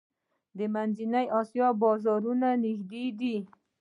د منځنۍ اسیا بازارونه نږدې دي